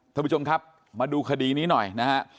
ท่านผู้ชมครับมาดูคดีนี้หน่อยนะฮะ